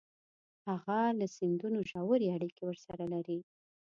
هغه له سندونو ژورې اړیکې ورسره لري